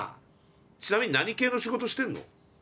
ちなみに何系の仕事してんの？